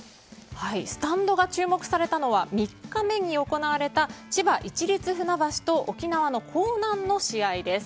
スタンドが注目されたのは３日目に行われた千葉の市立船橋と沖縄の興南の試合です。